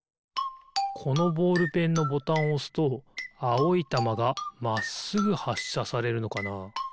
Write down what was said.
このボールペンのボタンをおすとあおいたまがまっすぐはっしゃされるのかな？